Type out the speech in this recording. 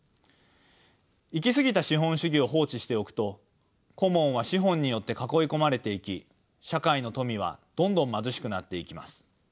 行き過ぎた資本主義を放置しておくとコモンは資本によって囲い込まれていき社会の富はどんどん貧しくなっていきます。